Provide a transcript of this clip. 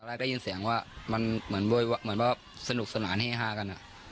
ได้ยินเสียงว่ามันเหมือนว่าสนุกสนานเฮฮากัน